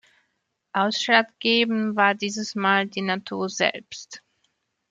Ausschlaggebend war dieses Mal die Natur selbst.